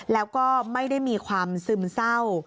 แล้วก็ไม่ได้มีความซึมเศร้า